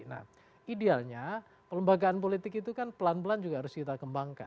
nah idealnya pelembagaan politik itu kan pelan pelan juga harus kita kembangkan